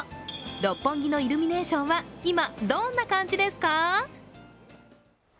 六本木のイルミネーションは今、どんな感じですか？